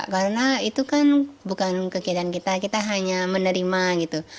karena itu kan bukan kegiatan kita kita hanya menerima gitu